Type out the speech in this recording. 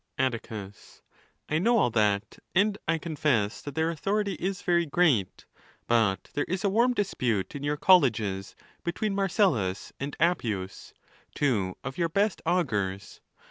3 M ! XIII. Atticws.—I know all that, and I confess that their authority is very great; but there is a warm dispute in your colleges between Marcellus and Appius, two of your best ON THE LAWS. 443 augurs.